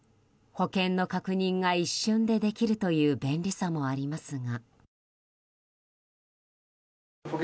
保険の確認が一瞬でできるという便利さもありますが。